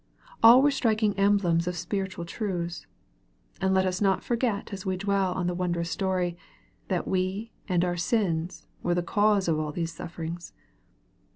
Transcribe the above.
All were striking emblems of spiritual truths. And let us not forget as we dwell on the wondrous story, that we and our sins were the cause of all these sufferings.